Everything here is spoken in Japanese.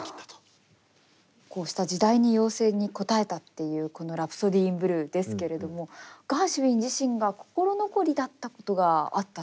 こうした時代に要請に応えたっていうこの「ラプソディー・イン・ブルー」ですけれどもガーシュウィン自身が心残りだったことがあったそうですね。